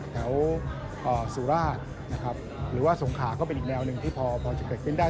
แถวสุราชนะครับหรือว่าสงขาก็เป็นอีกแนวหนึ่งที่พอจะเกิดขึ้นได้